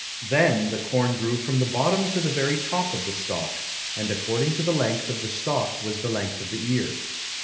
Then the corn grew from the bottom to the very top o f the stalk, and according to the length of the stalk was the length of the ear.